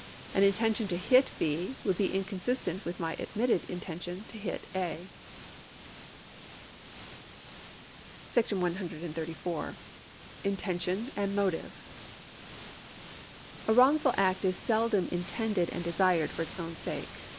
An intention to hit B. would be inconsistent with my admitted intention to hit A.^ § 134. Intention and Motive. A wrongful act is seldom intended and desired for its own sake.